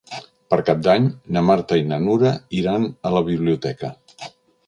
Per Cap d'Any na Marta i na Nura iran a la biblioteca.